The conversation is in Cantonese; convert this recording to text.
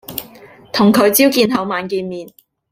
同佢朝見口晚見面